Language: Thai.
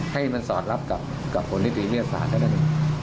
ให้มันสอดลับกับผลิติวิทยาศาสตร์